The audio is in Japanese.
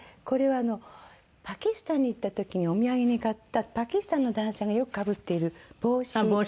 これはパキスタンに行った時にお土産に買ったパキスタンの男性がよくかぶっている帽子。